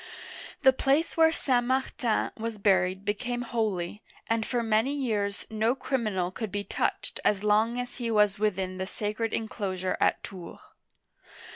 The place where St. Martin was buried became holy, and for many years no criminal could be touched as long as he was within the sacred inclosure at Tours.